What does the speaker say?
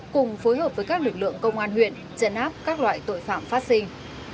cùng phối hợp với các lực lượng công an huyện trận áp các loại tội phạm phát sinh